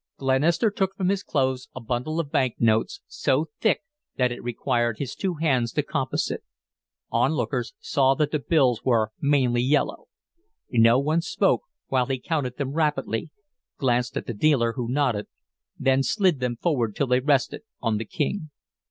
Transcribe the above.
Glenister took from his clothes a bundle of bank notes, so thick that it required his two hands to compass it. On lookers saw that the bills were mainly yellow. No one spoke while he counted them rapidly, glanced at the dealer, who nodded, then slid them forward till they rested on the king.